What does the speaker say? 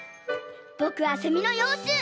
ぼくはセミのようちゅう。